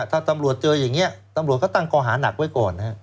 ถ้าตำรวจเจออย่างนี้ตำรวจก็ตั้งกอหานักไว้ก่อน